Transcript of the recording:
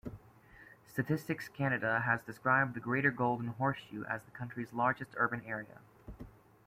Statistics Canada has described the Greater Golden Horseshoe as the country's largest urban area.